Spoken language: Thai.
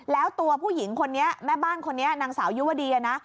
แล้วตัวผู้หญิงคนนี้แม่บ้านคนนี้นางสาวยุวดีนะ